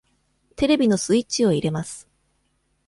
テレビのスイッチを入れます。